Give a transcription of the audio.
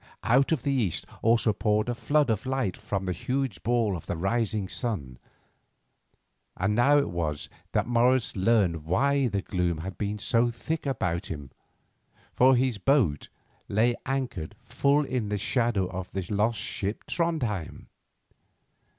Out of the east also poured a flood of light from the huge ball of the rising sun, and now it was that Morris learned why the gloom had been so thick about him, for his boat lay anchored full in the shadow of the lost ship Trondhjem.